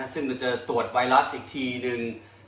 ซึ่งเราจะตรวจไวรัสอีกทีนึง